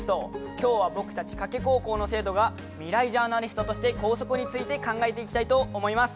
今日は僕たち加計高校の生徒がみらいジャーナリストとして校則について考えていきたいと思います。